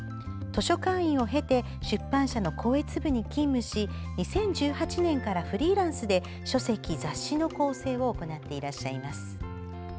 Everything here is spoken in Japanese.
図書館員を経て出版社の校閲部に勤務し２０１８年からフリーランスで書籍・雑誌の校正を行っていらっしゃいます。